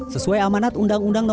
sesuai amanat undang undang no sebelas